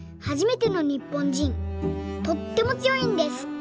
とってもつよいんです。